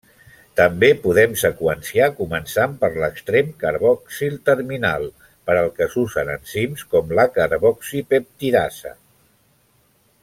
També podem seqüenciar començant per l'extrem carboxil-terminal, per al que s'usen enzims com la carboxipeptidasa.